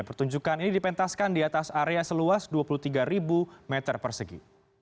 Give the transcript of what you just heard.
pertunjukan ini dipentaskan di atas area seluas dua puluh tiga meter persegi